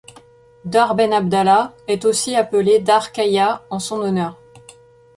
Dar Ben Abdallah est aussi appelé Dar Kahia en son honneur.